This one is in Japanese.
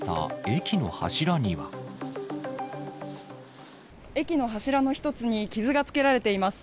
駅の柱の一つに傷がつけられています。